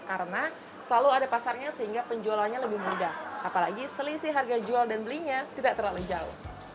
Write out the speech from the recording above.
karena selalu ada pasarnya sehingga penjualannya lebih mudah apalagi selisih harga jual dan belinya tidak terlalu jauh